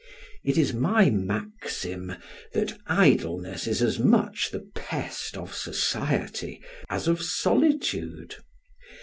It is my maxim, that idleness is as much the pest of society as of solitude.